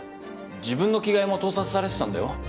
自分の着替えも盗撮されてたんだよ？